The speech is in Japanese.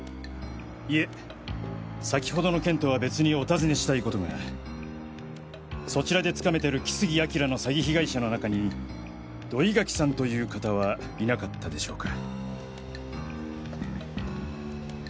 いえ先ほどの件とは別にお尋ねしたい事がそちらで掴めてる木杉彬の詐欺被害者の中に土井垣さんという方はいなかったでしょうか。